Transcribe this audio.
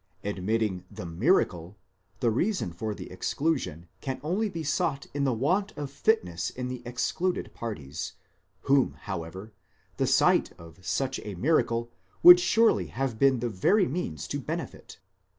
Admitting the miracle, the reason for the exclusion can only be sought in the want of fitness in the excluded parties, whom, however, the sight of such a miracle would surely have been the very 'means to benefit.